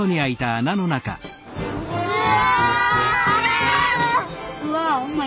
うわ。